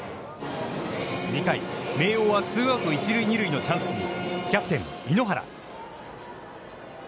２回、明桜はツーアウト、一塁二塁のチャンスにキャプテン猪原。